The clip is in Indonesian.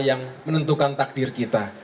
hanya allah swt yang menentukan takdir kita